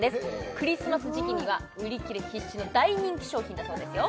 クリスマス時季には売り切れ必至の大人気商品だそうですよ